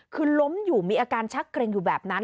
คือล้มอยู่มีอาการชักเกร็งอยู่แบบนั้น